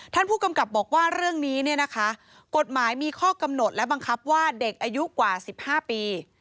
ท่านผู้กำกับบอกว่าเรื่องนี้เนี่ยนะคะกฎหมายมีข้อกำหนดและบังคับว่าเด็กอายุกว่า๑๕ปี